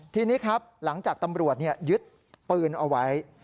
ทีนี้ครับหลังจากตำรวจยึดปืนเอาไว้